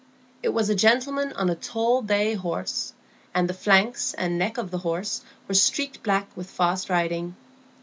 It was a gentleman on a tall bay horse; and the flanks and neck of the horse were streaked black with fast riding.